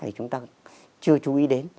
thì chúng ta chưa chú ý đến